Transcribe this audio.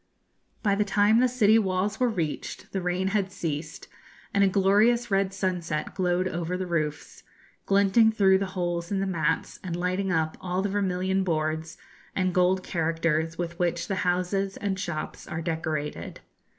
By the time the city walls were reached, the rain had ceased, and a glorious red sunset glowed over the roofs, glinting through the holes in the mats, and lighting up all the vermilion boards and gold characters with which the houses and shops are decorated.